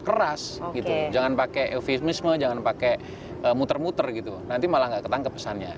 keras gitu jangan pakai eufismisme jangan pakai muter muter gitu nanti malah nggak ketangkep pesannya